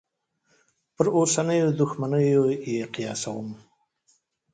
پر اوسنیو دوښمنیو یې قیاسوم.